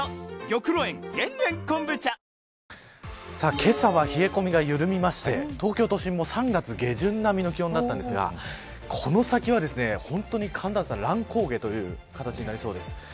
けさは冷え込みが緩みまして東京都心も３月下旬並みの気温だったんですがこの先は本当に寒暖差乱高下という形になりそうです。